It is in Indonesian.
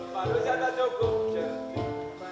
baru saja cukup